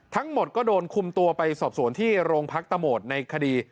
ทั้งหมดก็โดนคุมตัวไปสอบสวนที่โรงพักตะโหมดในคดี